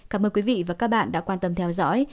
cảm ơn quý vị và các bạn đã quan tâm theo dõi